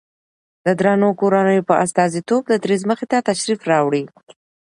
د درنو کورنيو په استازيتوب د دريځ مخې ته تشریف راوړي